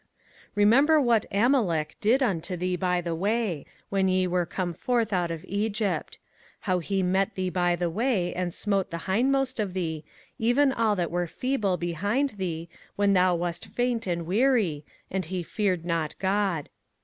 05:025:017 Remember what Amalek did unto thee by the way, when ye were come forth out of Egypt; 05:025:018 How he met thee by the way, and smote the hindmost of thee, even all that were feeble behind thee, when thou wast faint and weary; and he feared not God.